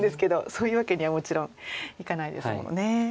そういうわけにはもちろんいかないですもんね。